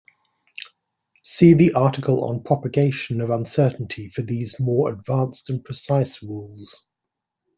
See the article on propagation of uncertainty for these more advanced and precise rules.